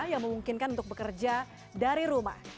yang memungkinkan untuk bekerja dari rumah